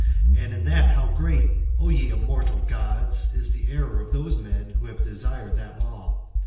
And in that how great, O ye immortal gods! is the error of those men who have desired that law.